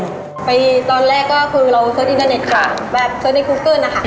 ไปตอนแรกก็คือเราเสิร์ชอินเทอร์เน็ตค่ะแบบเสิร์ชในคุกเกิ้ลนะคะ